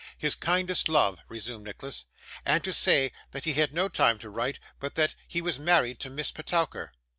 'His kindest love,' resumed Nicholas; 'and to say that he had no time to write, but that he was married to Miss Petowker.